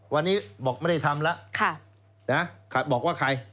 วันนี้บอกไม่ได้ทำแล้ว